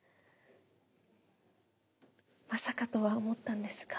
まさかとは思ったんですが。